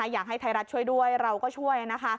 อยากให้ไทยรัฐช่วยด้วยเราก็ช่วยนะคะ